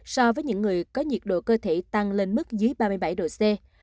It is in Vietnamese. so với những người có nhiệt độ cơ thể tăng lên mức dưới ba mươi bảy độ c